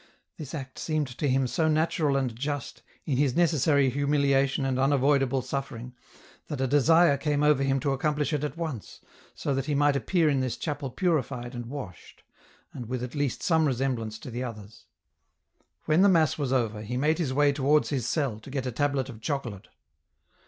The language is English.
This act seemed to him so natural and just, in his necessary humiliation and unavoidable suffering, that a desire came over him to accomplish it at once, so that he might appear in this chapel purified and washed, and with at least some resemblance to the others. When the mass was over, he made his way towards his cell to get a tablet of chocolate.